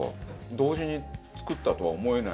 同時に作ったとは思えない。